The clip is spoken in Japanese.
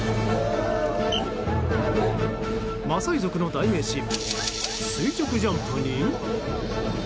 マサイ族の代名詞垂直ジャンプに。